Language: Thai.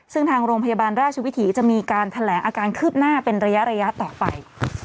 ซึ่งทางโรงพยาบาลราชวิถีจะมีการแถลงอาการคืบหน้าเป็นระยะต่อไป